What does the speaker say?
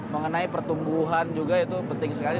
mengenai pertumbuhan juga itu penting sekali